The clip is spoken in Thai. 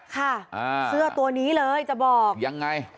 ค่ะเสื้อตัวนี้เลยจะบอกยังไง